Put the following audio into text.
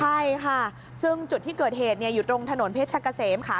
ใช่ค่ะซึ่งจุดที่เกิดเหตุอยู่ตรงถนนเพชรกะเสมค่ะ